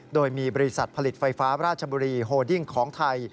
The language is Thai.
โดยมีบริษัทผลิตไฟฟ้าราชบุรีโฮดิ้งของไทย